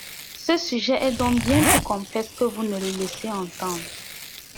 Ce sujet est donc bien plus complexe que vous ne le laissez entendre.